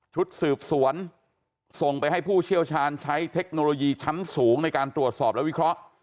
ชุดสืบสวนส่งไปให้ผู้เชี่ยวชาญใช้เทคโนโลยีชั้นสูงในการตรวจสอบและวิเคราะห์